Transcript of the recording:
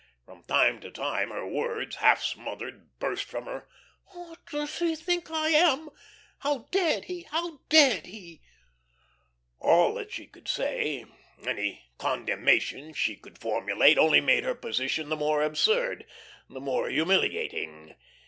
From time to time her words, half smothered, burst from her. "What does he think I am? How dared he? How dared he?" All that she could say, any condemnation she could formulate only made her position the more absurd, the more humiliating.